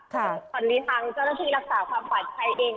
ตอนนี้ทางเจ้าหน้าที่รักษาความปลอดภัยเอง